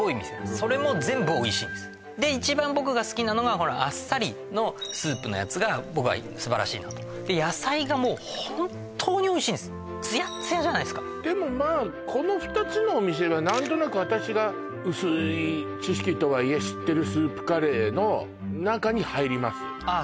それも全部おいしいんですで一番僕が好きなのがこのあっさりのスープのやつが僕は素晴らしいなと野菜がもう本当においしいんですツヤッツヤじゃないですかでもまあこの２つのお店は何となく私が薄い知識とはいえ知ってるスープカレーの中に入りますあっ